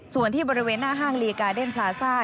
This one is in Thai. ส่วนที่บริเวณหน้าห้างลีกาเดนพลาซ่า